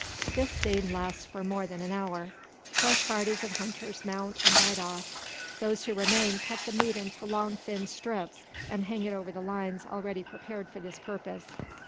This scene lasts for more than an hour. Fresh parties of hunters mount and ride off. Those who remain cut the meat into long thin strips, and hang it over the lines already prepared for this purpose.